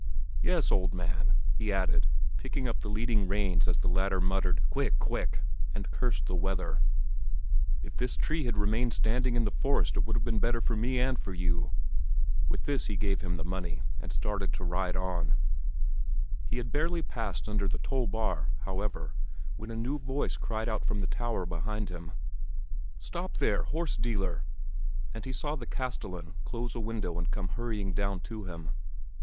"Yes, old man," he added, picking up the leading reins as the latter muttered "Quick, quick!" and cursed the weather; "if this tree had remained standing in the forest it would have been better for me and for you." With this he gave him the money, and started to ride on. He had hardly passed under the toll bar, however, when a new voice cried out from the tower behind him, "Stop there, horse dealer!" and he saw the castellan close a window and come hurrying down to him.